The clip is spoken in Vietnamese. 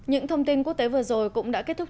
những thông tin quốc tế vừa rồi cũng đã kết thúc